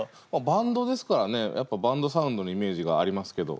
バンドですからねやっぱバンドサウンドのイメージがありますけど。